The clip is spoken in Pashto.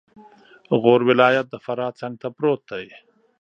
غور ولایت د فراه څنګته پروت دی